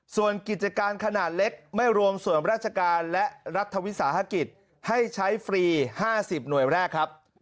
ส่วนกิจการขนาดเล็กไม่รวมส่วนราชการและรัฐวิสาหกิจให้ใช้ฟรี๕๐หน่วยแรกครับ